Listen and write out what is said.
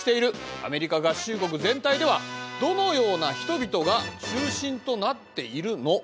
アメリカ合衆国全体ではどのような人々が中心となっているの？」。